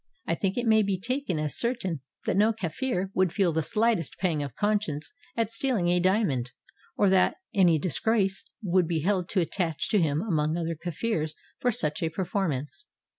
I think it may be taken as certain that no Kafir would feel the slightest pang of conscience at stealing a dia mond, or that any disgrace would be held to attach to him among other Kafirs for such a performance.